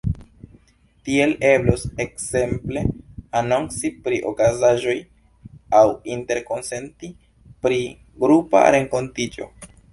Tiel eblos ekzemple anonci pri okazaĵoj aŭ interkonsenti pri grupa renkontiĝo.